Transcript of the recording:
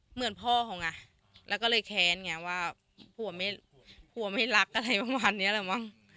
เหมือนพ่อเขาไงแล้วก็เลยแค้นไงว่าผัวไม่ผัวไม่รักอะไรประมาณนี้แหละมั้ง